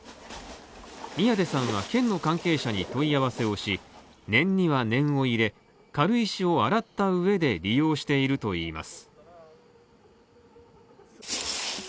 宮出さんが県の関係者に問い合わせをし、念には念を入れ、軽石を洗った上で利用しているといいます。